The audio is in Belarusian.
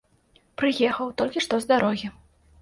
Прыехаў, толькі што з дарогі.